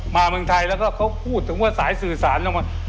เมืองไทยแล้วก็เขาพูดถึงว่าสายสื่อสารลงมา